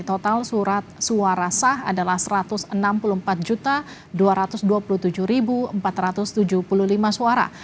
total surat suara sah adalah satu ratus enam puluh empat dua ratus dua puluh tujuh empat ratus tujuh puluh lima suara